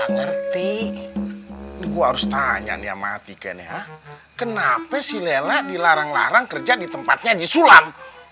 ngerti gua harus tanya nih matikan ya kenapa si lela dilarang larang kerja di tempatnya di sulam